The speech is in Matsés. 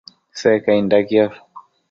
Secainda quiosh